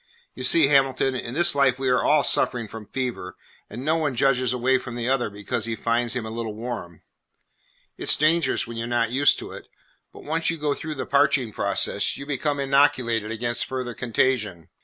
You see, Hamilton, in this life we are all suffering from fever, and no one edges away from the other because he finds him a little warm. It 's dangerous when you 're not used to it; but once you go through the parching process, you become inoculated against further contagion.